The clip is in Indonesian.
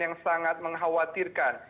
yang sangat mengkhawatirkan